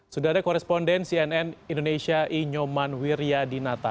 sudah ada koresponden cnn indonesia i nyoman wirja di nata